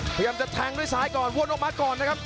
พยายามจะแทงด้วยซ้ายก่อนวนออกมาก่อนนะครับ